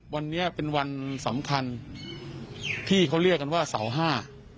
วันนี้เป็นวันสำคัญที่เขาเรียกกันว่าเสาห้า